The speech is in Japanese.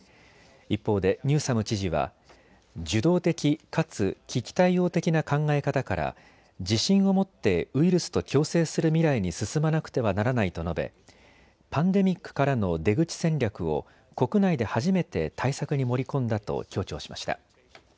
一方でニューサム知事は受動的かつ危機対応的な考え方から自信を持ってウイルスと共生する未来に進まなくてはならないと述べパンデミックからの出口戦略を国内で初めて対策に盛り込んだと強調しました。